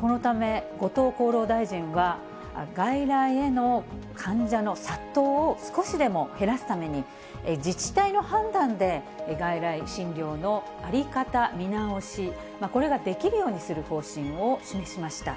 このため、後藤厚労大臣は外来への患者の殺到を少しでも減らすために、自治体の判断で外来診療の在り方見直し、これができるようにする方針を示しました。